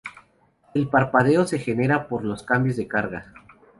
El "parpadeo" se genera por los cambios de carga.